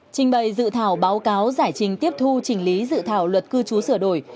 trình bày dự thảo báo cáo giải trình tiếp thu trình lý dự thảo luật cư trú sửa đổi